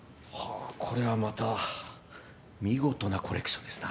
あこれはまた見事なコレクションですな。